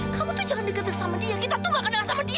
kamu jangan dekat sama dia kita tuh enggak kenal sama dia